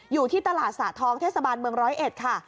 อยู่ที่ตลาดสาทองค์เทศบาลเมือง๑๐๑ค่ะ